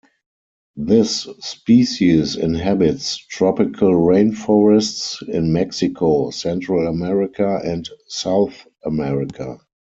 This species inhabits tropical rainforests in Mexico, Central America and South America.